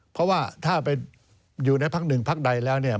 เพราะว่าถ้าไปอยู่ในพักหนึ่งพักใดแล้วเนี่ย